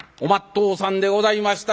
とおさんでございました。